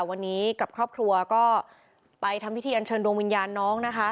วันนี้กับครอบครัวก็ไปทำพิธีอันเชิญดวงวิญญาณน้องนะคะ